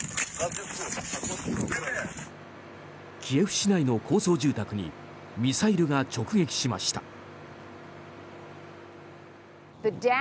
キエフ市内の高層住宅にミサイルが直撃しました。